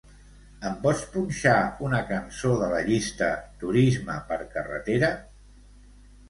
Em pots punxar una cançó de la llista "turisme per carretera"?